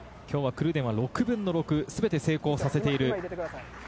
今日はクルーデンは６分の６、全て成功させている。